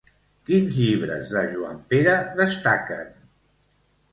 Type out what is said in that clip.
Quins llibres de Juanpere destaquen?